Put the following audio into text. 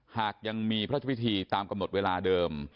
หากยังมีพระพิธีตามกำหนดเวลาเดิม